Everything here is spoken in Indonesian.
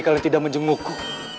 kalian tidak menjemukku